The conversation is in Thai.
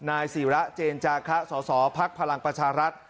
นายสีระเจนจาข้าสศพลักษณ์ประชารัฐ